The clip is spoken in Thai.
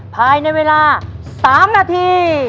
ภายในเวลา๓นาที